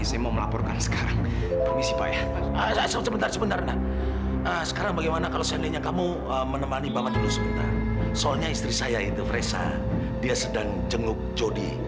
soalnya istri saya itu fresa dia sedang jenguk jody